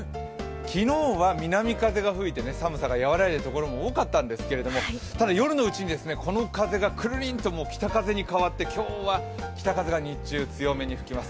昨日は南風が吹いて寒さが和らいだところがあるんですがただ、夜のうちにこの風がくるりんと北風に変わって、今日は北風が日中、強めに吹きます